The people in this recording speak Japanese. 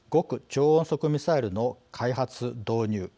超音速ミサイルの開発導入